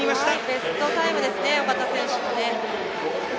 ベストタイムですね小方選手の。